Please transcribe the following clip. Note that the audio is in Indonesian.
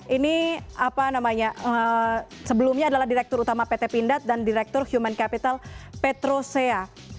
ini apa namanya sebelumnya adalah direktur utama pt pindad dan direktur human capital petrosea